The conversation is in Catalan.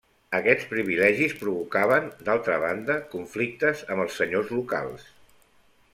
Aquests privilegis provocaven, d'altra banda, conflictes amb els senyors locals.